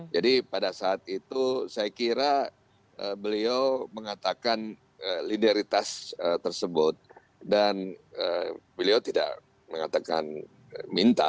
jadi pada saat itu saya kira beliau mengatakan linearitas tersebut dan beliau tidak mengatakan minta